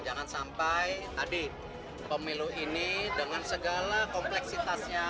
jangan sampai tadi pemilu ini dengan segala kompleksitasnya